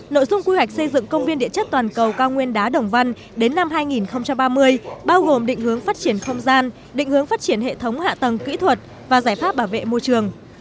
nội dung quy hoạch xây dựng công viên địa chất toàn cầu cao nguyên đá đồng văn đến năm hai nghìn ba mươi bao gồm định hướng phát triển không gian định hướng phát triển hệ thống hạ tầng kỹ thuật và giải pháp bảo vệ môi trường